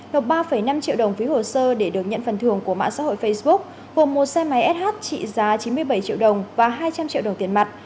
nộp ba năm triệu đồng phí hồ sơ để được nhận phần thường của mạng xã hội facebook gồm một xe máy sh trị giá chín mươi bảy triệu đồng và hai trăm linh triệu đồng tiền mặt